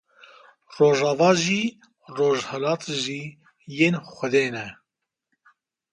Rojava jî, rojhilat jî yên Xwedê ne.